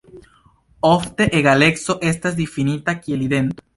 Ofte egaleco estas difinita kiel idento.